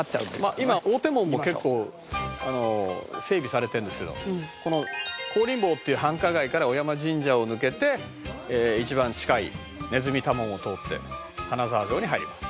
「まあ今大手門も結構整備されてるんですけどこの香林坊っていう繁華街から尾山神社を抜けて一番近い鼠多門を通って金沢城に入ります」